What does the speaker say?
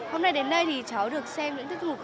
hôm nay đến đây thì cháu được xem những tiết mục